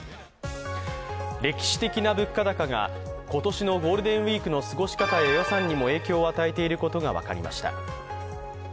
歴史的な物価高が、今年のゴールデンウィークの過ごし方や予算にも影響を与えていることが分かりました。